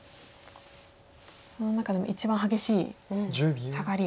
その中でも一番激しいサガリを。